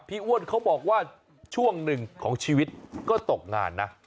อ้วนเขาบอกว่าช่วงหนึ่งของชีวิตก็ตกงานนะ